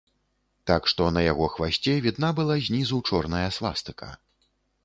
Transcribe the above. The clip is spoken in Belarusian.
Так што на яго хвасце відна была знізу чорная свастыка.